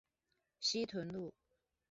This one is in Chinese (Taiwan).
西屯路